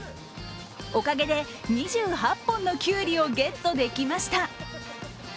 おかげで２８本のきゅうりをゲットできました。